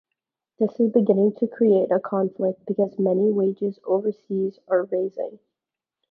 This is beginning to create a conflict because many wages overseas are raising.